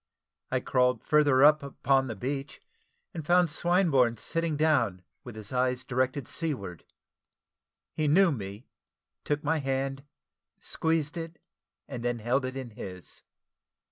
I crawled further up upon the beach, and found Swinburne sitting down with his eyes directed seaward. He knew me, took my hand, squeezed it, and then held it in his.